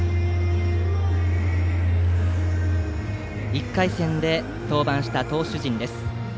１回戦で登板した投手陣です。